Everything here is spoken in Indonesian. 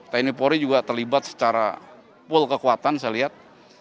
tni polri juga terlibat secara pool kekuatan saya lihat